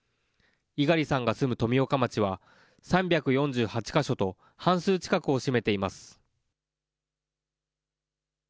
猪狩さんが住む富岡町は、３４８か所と、半数近くを占めています。